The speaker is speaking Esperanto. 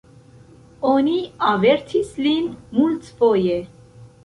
Oni avertis lin multfoje!